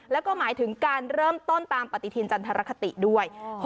แล้วก็หมายถึงการเริ่มต้นตามปฏิทินจันทรคติด้วย